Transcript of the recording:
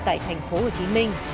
tại thành phố hồ chí minh